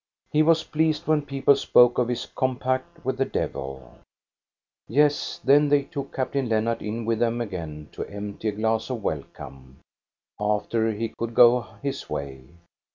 He was pleased when people spoke of his compact with the devil. Yes, then they took Captain Lennart in with them again to empty a glass of welcome ; after, he could go his way.